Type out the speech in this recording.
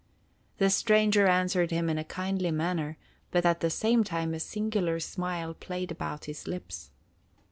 The stranger answered him in a kindly manner, but at the same time a singular smile played about his lips.